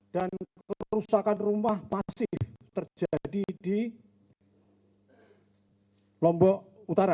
dan kerusakan rumah pasif terjadi di lombok utara